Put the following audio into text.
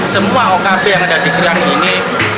semua okp yang ada di gelang ini